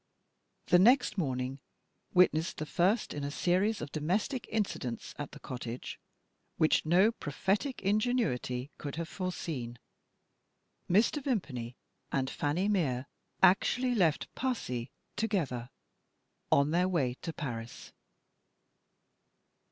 The next morning witnessed the first in a series of domestic incidents at the cottage, which no prophetic ingenuity could have foreseen. Mr. Vimpany and Fanny Mere actually left Passy together, on their way to Paris!